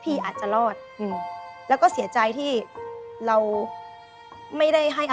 พี่อาจจะรอดแล้วก็เสียใจที่เราไม่ได้ให้อภัยกัน